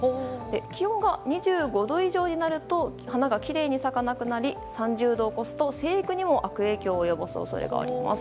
気温が２５度以上になると花がきれいに咲かなくなり３０度を超すと、生育にも悪影響を及ぼす恐れがあります。